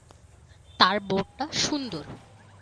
তার বোর্ডটা সুন্দর।